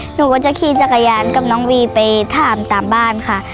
หนูก็จะขี่จักรยานกับน้องวีไปถามตามบ้านค่ะ